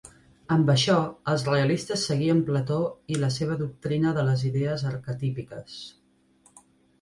Amb això, els realistes seguien Plató i la seva doctrina de les idees arquetípiques.